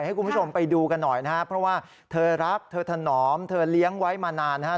ให้คุณผู้ชมไปดูกันหน่อยนะครับเพราะว่าเธอรักเธอถนอมเธอเลี้ยงไว้มานานนะครับ